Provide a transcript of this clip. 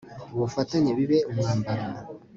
ubufatanye bibe umwambaro